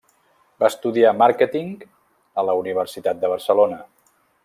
Va estudiar màrqueting a la Universitat de Barcelona.